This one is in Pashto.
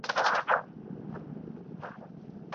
هغه د ږدن او مڼې ځای چي د ډنډ ترڅنګ دی، ړنګیږي.